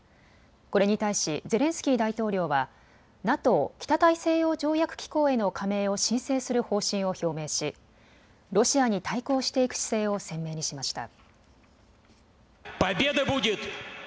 これに対しゼレンスキー大統領はＮＡＴＯ・北大西洋条約機構への加盟を申請する方針を表明しロシアに対抗していく姿勢を鮮明にしました。